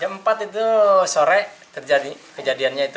jam empat itu sore kejadiannya itu